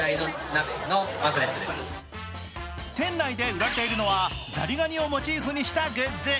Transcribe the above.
店内で売られているのはザリガニをモチーフにしたグッズ。